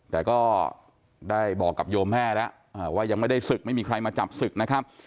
แต่ก็ได้บอกกับโยมแม่แล้วว่ายังไม่ได้ศึกไม่มีใครมาจับศึกนะครับ